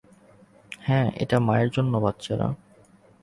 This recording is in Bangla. হ্যাঁ, এটা মায়ের জন্য, বাচ্চারা।